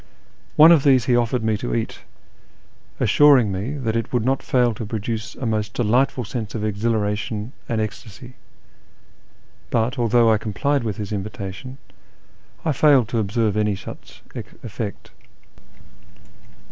One of these he offered me to eat, assuring me that it would not fail to produce a most delightful sense of exhilaration and ecstasy ; but, although I complied with his invitation, I failed to observe any such effect.